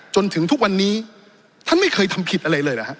จนถึงทุกวันนี้ท่านไม่เคยทำผิดอะไรเลยเหรอฮะ